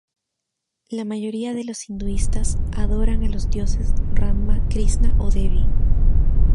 La mayoría de los hinduistas adoran a los dioses Rama, Krisna o Devi.